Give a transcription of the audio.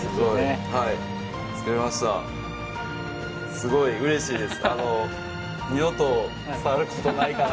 すごいうれしいです。